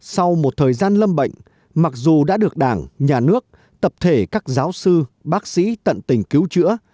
sau một thời gian lâm bệnh mặc dù đã được đảng nhà nước tập thể các giáo sư bác sĩ tận tình cứu chữa